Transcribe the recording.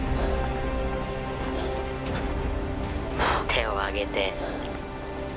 「手を上げて」